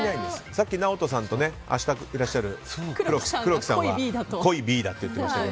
さっき、ＮＡＯＴＯさんと明日いらっしゃる黒木さんは濃いＢと言っていましたが。